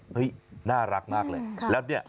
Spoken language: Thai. น่ารักมากเลยแล้วเนี่ย